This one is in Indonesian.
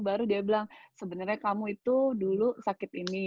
baru dia bilang sebenarnya kamu itu dulu sakit ini